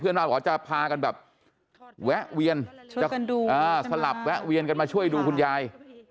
บ้านบอกว่าจะพากันแบบแวะเวียนสลับแวะเวียนกันมาช่วยดูคุณยาย